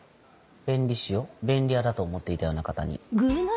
弁理士を便利屋だと思っていたような方に。